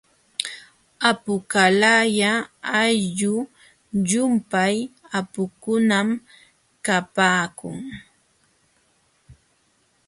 Apuqalaya ayllu llumpay apukunam kapaakun.